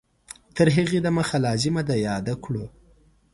تر هغې د مخه لازمه ده یاده کړو